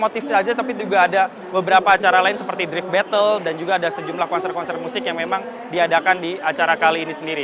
motif saja tapi juga ada beberapa acara lain seperti drift battle dan juga ada sejumlah konser konser musik yang memang diadakan di acara kali ini sendiri